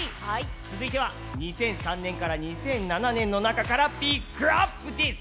続いては２００３年から２００７年の中からピックアップです。